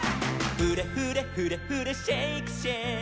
「フレフレフレフレシェイクシェイク」